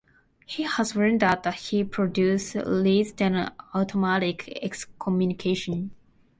He has warned that the procedure leads to an automatic excommunication.